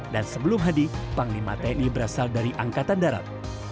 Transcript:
dan sebelum hadi panglima tni berasal dari angkatan darat